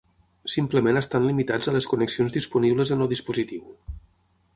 Simplement estan limitats a les connexions disponibles en el dispositiu.